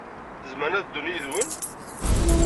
Zemren ad ddun yid-wen?